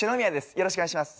よろしくお願いします。